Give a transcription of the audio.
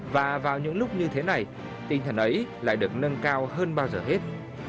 và vào những lúc như thế này tinh thần ấy lại được nâng cao hơn bao giờ hết